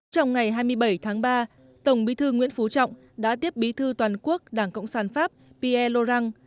trong ngày hai mươi bảy tháng ba tổng bí thư nguyễn phú trọng đã tiếp bí thư toàn quốc đảng cộng sản pháp pierre lauren